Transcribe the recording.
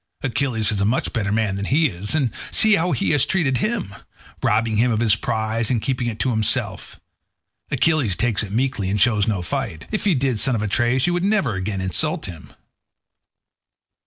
Achilles is a much better man than he is, and see how he has treated him—robbing him of his prize and keeping it himself. Achilles takes it meekly and shows no fight; if he did, son of Atreus, you would never again insult him."